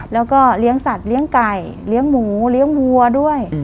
แล้วก็เลี้ยงสัตว์เลี้ยงไก่เลี้ยงหมูเลี้ยงวัวด้วย